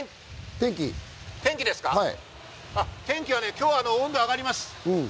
今日は温度が上がります。